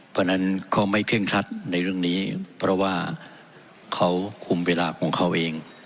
เพราะฉะนั้นก็ไม่เคร่งครัดในเรื่องนี้เพราะว่าเขาคุมเวลาของเขาเอง